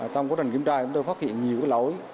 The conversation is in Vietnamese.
trong quá trình kiểm tra chúng tôi phát hiện nhiều lỗi